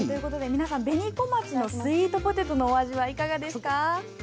皆さん、紅小町のスイートポテトのお味はいかがですか？